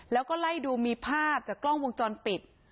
แล้วก็ไล่ดูมีภาพจากกล้องวงจรปิด